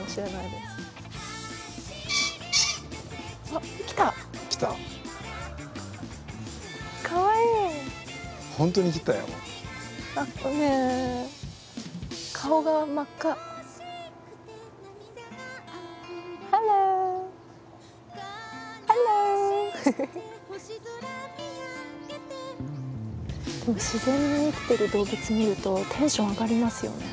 でも自然に生きてる動物見るとテンション上がりますよね。